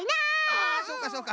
ああそうかそうか。